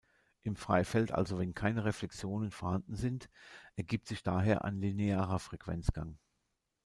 Im Freifeld, also wenn keine Reflexionen vorhanden sind, ergibt sich daher ein linearer Frequenzgang.